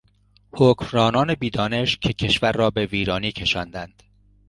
حکمرانان بیدانشی که کشور را به ویرانی کشاندند